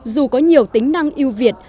dù có nhiều tính năng yêu việt